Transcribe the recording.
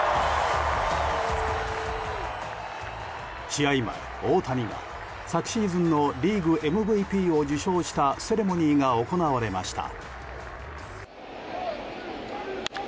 試合前、大谷が昨シーズンのリーグＭＶＰを受賞したセレモニーが行われました。